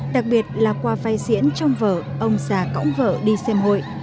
đặc biệt là qua vai diễn trong vở ông già cõng vợ đi xem hội